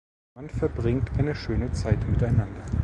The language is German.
Man verbringt eine schöne Zeit miteinander.